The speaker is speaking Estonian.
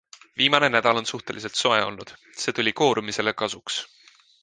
Viimane nädal on suhteliselt soe olnud, see tuli koorumisele kasuks.